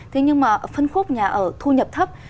thế nhưng mà phân khúc nhà ở thu nhập thấp